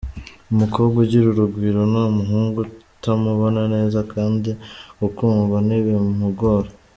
Umukobwa ugira urugwiro nta muhungu utamubona neza kandi gukundwa ntibimugora.